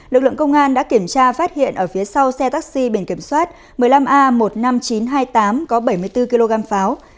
lực lượng công an đã kiểm tra phát hiện ở phía sau xe taxi biển kiểm soát một mươi năm a một mươi năm nghìn chín trăm hai mươi tám có bảy mươi bốn kg pháo